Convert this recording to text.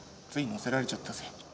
つい乗せられちゃったぜ。